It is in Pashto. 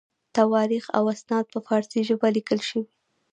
تواریخ او اسناد په فارسي ژبه لیکل شوي.